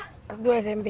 kelas dua smp